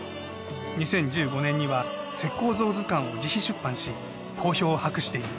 ２０１５年には『石膏像図鑑』を自費出版し好評を博している。